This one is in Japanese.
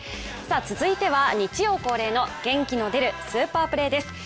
続いては、日曜恒例の元気の出るスーパープレーです。